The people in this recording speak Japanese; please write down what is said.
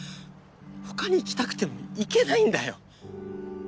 他に行きたくても行けないんだよ。